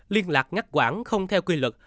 liên lạc ngắt quản không theo quy luật